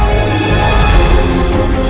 kau akan dihukum